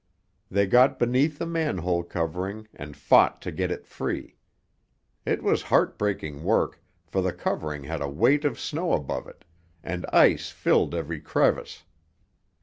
They got beneath the manhole covering and fought to get it free. It was heartbreaking work, for the covering had a weight of snow above it, and ice filled every crevice.